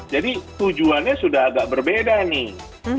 jadi tujuannya sudah agak berbeda nih